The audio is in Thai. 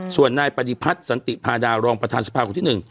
ส่วนนายปฏิพัฒน์สันติพาดารองประธานสภาคนที่๑